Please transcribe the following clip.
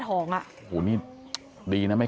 กังฟูเปล่าใหญ่มา